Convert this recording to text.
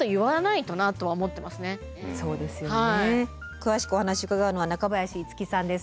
詳しくお話を伺うのは中林一樹さんです。